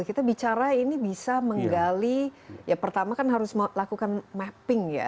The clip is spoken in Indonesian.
kita bicara ini bisa menggali ya pertama kan harus melakukan mapping ya